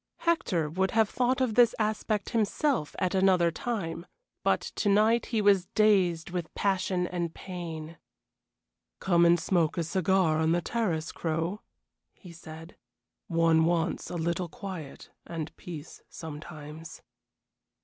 Hector would have thought of this aspect himself at another time, but to night he was dazed with passion and pain. "Come and smoke a cigar on the terrace, Crow," he said. "One wants a little quiet and peace sometimes."